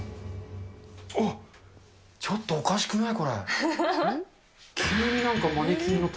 あっ、ちょっとおかしくない？